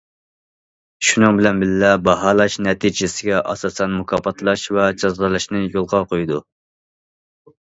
شۇنىڭ بىلەن بىللە، باھالاش نەتىجىسىگە ئاساسەن مۇكاپاتلاش ۋە جازالاشنى يولغا قويىدۇ.